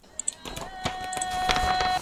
هغه چي پولي د ایمان وې اوس یې نښه نسته.